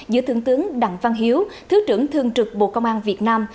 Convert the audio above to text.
giữa thượng tướng đặng văn hiếu thứ trưởng thương trực bộ công an việt nam